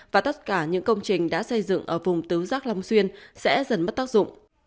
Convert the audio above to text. và tất cả những công trình đã xây dựng ở vùng tứ giác long xuyên sẽ dần mất tác dụng